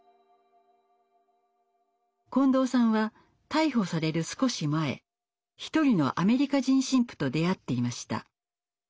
近藤さんは逮捕される少し前一人のアメリカ人神父と出会っていました。